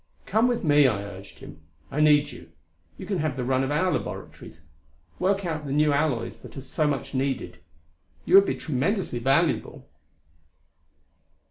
"Come with me," I urged him; "I need you. You can have the run of our laboratories work out the new alloys that are so much needed. You would be tremendously valuable."